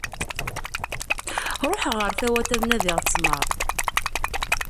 Ruḥeɣ ɣer Tawat, ad nadiɣ ṭmer.